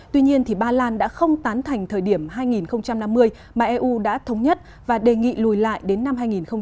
tuy nhiên ba lan đã không tán thành thời điểm hai nghìn năm mươi mà eu đã thống nhất và đề nghị lùi lại đến năm hai nghìn hai mươi